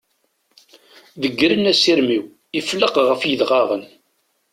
Deggren asirem-iw, ifelleq ɣef yidɣaɣen.